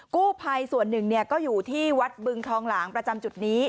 กู้ภัยส่วนหนึ่งก็อยู่ที่วัดบึงทองหลางประจำจุดนี้